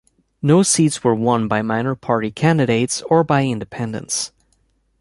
No seats were won by minor party candidates or by independents.